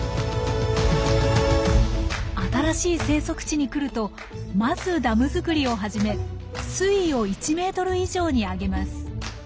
新しい生息地に来るとまずダム作りを始め水位を１ｍ以上に上げます。